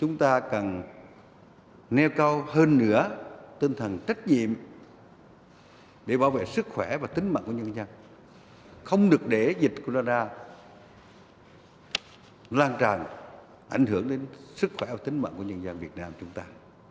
chúng ta cần nêu cao hơn nữa tinh thần trách nhiệm để bảo vệ sức khỏe và tính mạng của nhân dân không được để dịch corona lan tràn ảnh hưởng đến sức khỏe và tính mạnh của nhân dân việt nam chúng ta